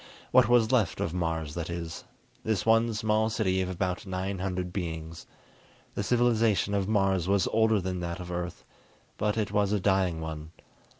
What was left of Mars, that is; this one small city of about nine hundred beings. The civilization of Mars was older than that of Earth, but it was a dying one.